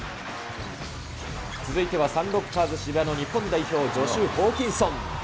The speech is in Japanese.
続いてはサンロッカーズ渋谷の日本代表、ジョシュ・ホーキンソン。